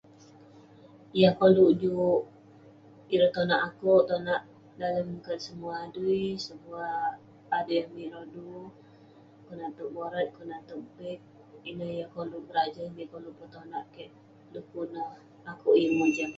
Yah koluk juk ireh tonak akouk, tonak dalem kat semuah adui. Semuah adey amik rodu. Konak tog borat, konak tog beg. Ineh yah koluk berajan, yah koluk petonak kek, dekuk neh akouk yeng mojam.